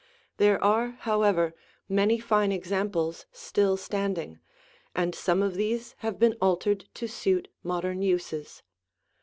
There are, however, many fine examples still standing, and some of these have been altered to suit modern uses.